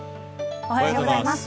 おはようございます。